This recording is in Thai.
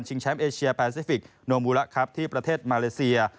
แชมป์เอเชียแปซิฟิกโนมูระครับที่ประเทศมาเลเซีย